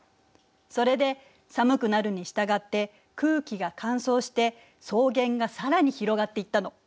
それで寒くなるにしたがって空気が乾燥して草原が更に広がっていったの。